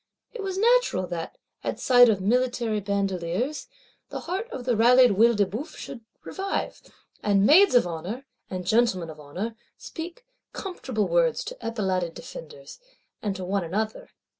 It was natural that, at sight of military bandoleers, the heart of the rallied Œil de Bœuf should revive; and Maids of Honour, and gentlemen of honour, speak comfortable words to epauletted defenders, and to one another.